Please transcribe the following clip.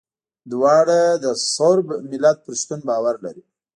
دواړه د صرب ملت پر شتون باور لري.